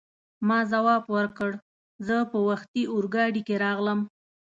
ما ځواب ورکړ: زه په وختي اورګاډي کې راغلم.